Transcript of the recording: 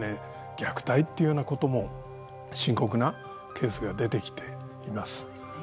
虐待っていうようなことも深刻なケースが出てきています。